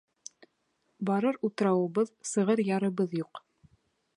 Барыр утрауыбыҙ, сығыр ярыбыҙ юҡ.